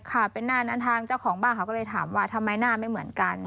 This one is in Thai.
ค่ะเป็นหน้านั้นทางเจ้าของบ้านเขาก็เลยถามว่าทำไมหน้าไม่เหมือนกัน